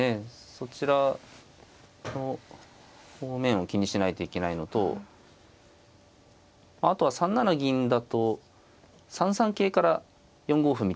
そちらの方面を気にしないといけないのとあとは３七銀だと３三桂から４五歩みたいな。